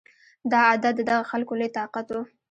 دا عادت د دغه خلکو لوی طاقت و